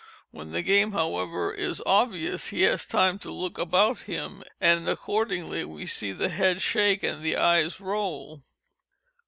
When the game, however, is obvious, he has time to look about him, and, accordingly, we see the head shake and the eyes roll.